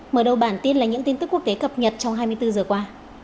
mở đầu bản tin là những tin tức quốc tế cập nhật trong hai mươi bốn giờ qua